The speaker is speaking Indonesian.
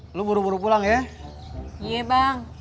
lalu buru buru pulang ya iya bang